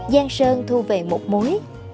giang sơn thu về một mối